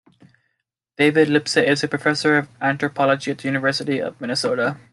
David Lipset is a Professor of Anthropology at the University of Minnesota.